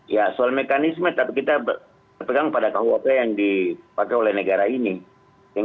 ya soal mekanisme tapi kita berpegang pada kuap yang dipakai oleh negara ini